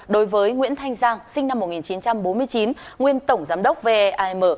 đối với nguyễn thanh giang sinh năm một nghìn chín trăm bốn mươi chín nguyên tổng giám đốc veim